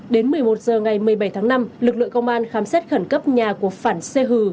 đến một mươi một h ngày một mươi bảy tháng năm lực lượng công an khám xét khẩn cấp nhà của phản xê hừ